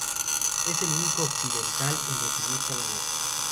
Es el único occidental en recibir tal honor.